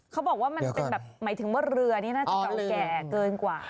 เขาบอกว่าหมายถึงว่าเรือนี่น่าจะเก่าแก่เกินกว่า